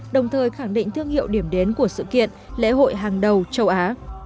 đồng thời khẳng định thương hiệu điểm đến của sự kiện lễ hội hàng đầu châu á